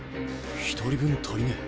１人分足りねえ。